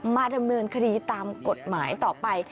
มาดำเนินคดีตามกฎหมายต่อไป